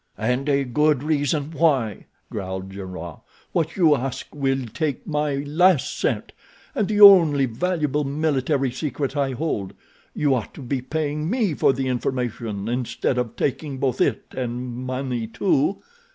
"And a good reason why," growled Gernois. "What you ask will take my last cent, and the only valuable military secret I hold. You ought to be paying me for the information, instead of taking both it and money, too."